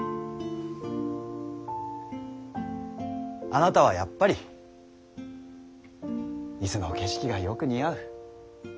あなたはやっぱり伊豆の景色がよく似合う。